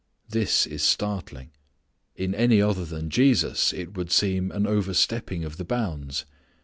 _ This is startling. In any other than Jesus it would seem an overstepping of the bounds.